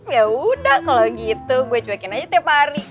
yaudah kalo gitu gue cuekin aja tiap hari